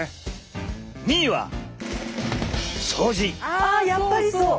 あやっぱりそう。